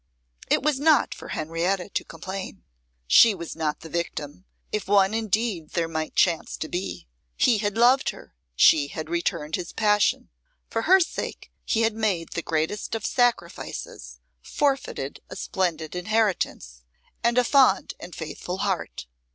It was not for Henrietta to complain. She was not the victim, if one indeed there might chance to be. He had loved her, she had returned his passion; for her sake he had made the greatest of sacrifices, forfeited a splendid inheritance, and a fond and faithful heart.